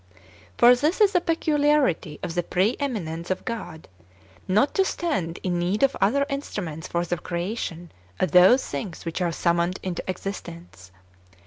5. For this is a peculiarity of the pre eminence of God, not to stand in need of other instruments for the creation of those things which are summoned into existence.